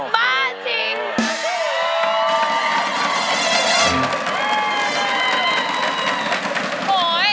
มาสิ